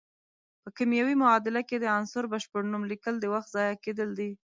په کیمیاوي معادله کې د عنصر بشپړ نوم لیکل د وخت ضایع کیدل دي.